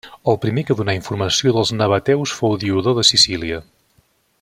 El primer que donà informació dels nabateus fou Diodor de Sicília.